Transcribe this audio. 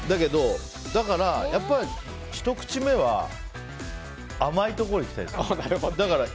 だから、やっぱりひと口目は甘いところいきたいです。